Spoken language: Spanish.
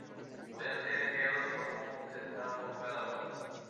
Podían ser enviados por un centavo cada uno.